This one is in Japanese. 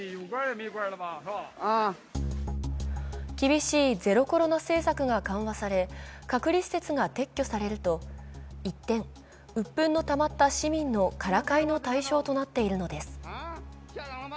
厳しいゼロコロナ政策が緩和され隔離施設が撤去されると一転うっぷんのたまった市民のからかいの対象となっているのです。